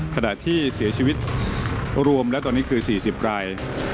ขณะที่เสียชีวิตรวมแล้วตอนนี้คือ๔๐ราย